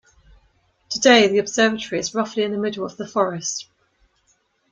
Today, the observatory is roughly in the middle of the forest.